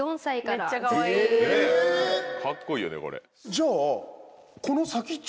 じゃあ。